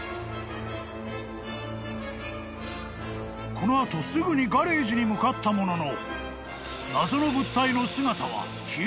［この後すぐにガレージに向かったものの］